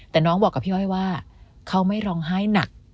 แต่น้องบอกกับพี่อ้อยว่าเขาไม่ร้องไห้หนัก